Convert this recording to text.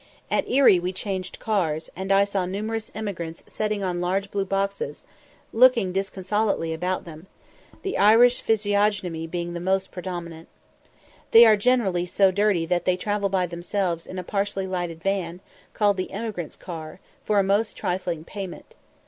At Erie we changed cars, and I saw numerous emigrants sitting on large blue boxes, looking disconsolately about them; the Irish physiognomy being the most predominant. They are generally so dirty that they travel by themselves in a partially lighted van, called the Emigrants' car, for a most trifling payment.